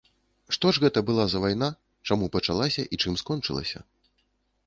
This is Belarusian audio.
Што ж гэта была за вайна, чаму пачалася і чым скончылася?